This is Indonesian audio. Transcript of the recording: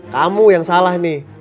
kamu yang salah nih